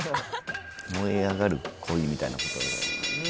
燃え上がる恋みたいなこと。